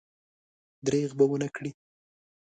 درېغ به ونه کړي.